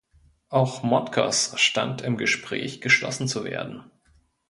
Auch Mottgers stand im Gespräch, geschlossen zu werden.